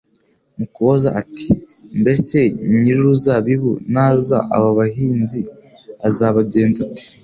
Mu kubaza ati: “Mbese Nyir’uruzabibu naza, abo bahinzi azabagenza ate?”